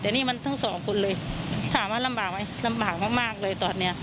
แต่นี่มันทั้งสองคนเลยถามว่าลำบากไหมลำบากมากมากเลยตอนเนี้ย